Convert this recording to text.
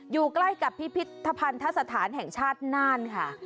อยู่ใกล้กับพิพิธภัณฑสถานแห่งชาติน่านค่ะ